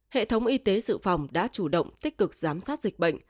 hệ thống y tế sự phòng đã chủ động tích cực giám sát dịch bệnh